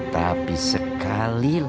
tapi sekali lagi